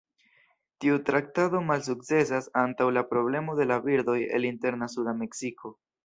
Tiu traktado malsukcesas antaŭ la problemo de la birdoj el interna suda Meksiko.